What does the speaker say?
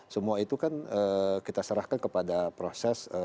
semua itu kan kita serahkan kepada proses